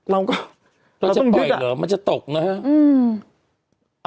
เราก็เราจะปล่อยเหรอมันจะตกนะฮะ